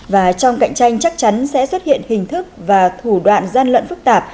và trong cạnh tranh chắc chắn sẽ xuất hiện hình thức và thủ đoạn gian lận phức tạp